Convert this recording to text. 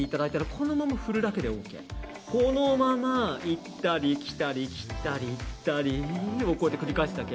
このまま行ったり来たり来たり行ったりを繰り返すだけ。